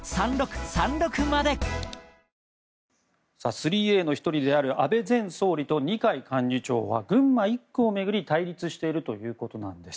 ３Ａの１人である安倍前総理と二階幹事長は群馬１区を巡り対立しているということなんです。